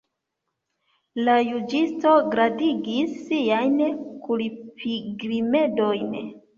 La juĝisto gradigis siajn kulpigrimedojn.